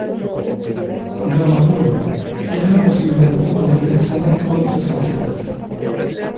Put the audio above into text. Dramaturgo, tiene la posibilidad de poner en escena todas sus facetas.